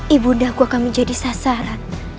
ibu ndaku akan menjadi sasaran